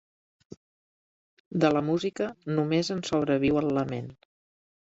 De la música només en sobreviu el lament.